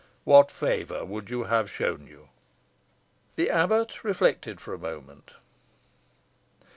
What favour would you have shown you?" The abbot reflected for a moment.